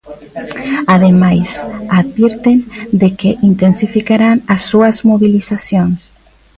Ademais, advirten de que intensificarán as súas mobilizacións.